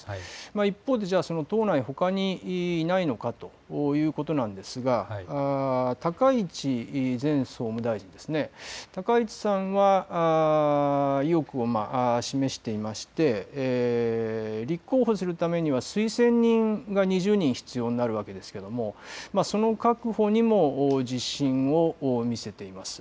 一方で、党内ほかにいないのかということなんですが高市前総務大臣、高市さんは意欲を示していまして立候補するためには推薦人が２０人必要なわけですけれどもその確保にも自信を見せています。